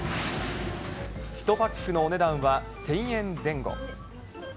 １パックのお値段は１０００円前後。